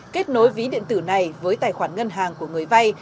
kết nối ví điện tử này với tài khoản ngân hàng của người vay